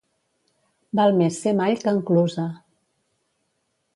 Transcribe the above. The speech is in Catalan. Val més ser mall que enclusa.